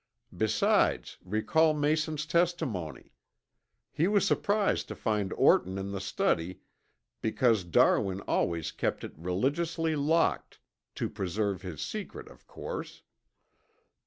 Besides, recall Mason's testimony. He was surprised to find Orton in the study because Darwin always kept it religiously locked, to preserve his secret, of course.